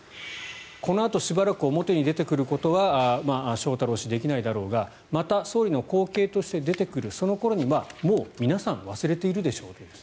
このあとしばらく表に出てくることは翔太郎氏、できないだろうがまた総理の後継として出てくるその頃にはもう皆さん忘れているでしょうと。